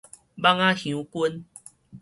蠓仔香君